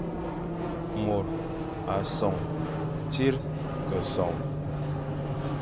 Môr a sonhe, tsir ke sonhe,